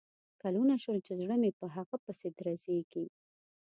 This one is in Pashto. کلونه شول چې زړه مې په هغه پسې درزیږي